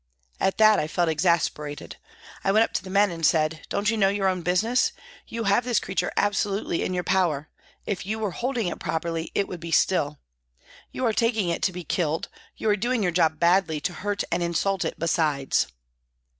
At that I felt exasperated. I went up to the men and said, " Don't you know your own business ? You have this creature absolutely in your power. If you were holding it properly it would be still. You are taking it to be killed, you are doing your job badly to hurt and insult it besides."